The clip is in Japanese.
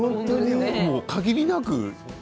限りなく